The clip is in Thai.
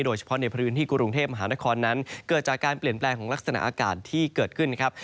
โดยเฉพาะในพื้นที่กรุงเทพมหานครนั้นเกิดจากการเปลี่ยนแปลงของลักษณะอากาศที่เกิดขึ้นนะครับ